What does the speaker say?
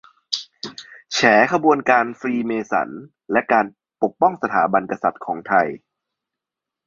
แฉขบวนการฟรีเมสัน และการปกป้องสถาบันกษัตริย์ของไทย